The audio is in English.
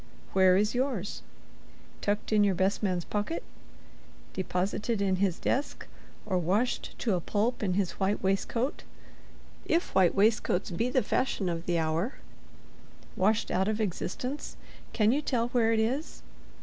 Where is yours? Tucked in your best man's pocket; deposited in his desk—or washed to a pulp in his white waistcoat (if white waistcoats be the fashion of the hour), washed out of existence—can you tell where it is?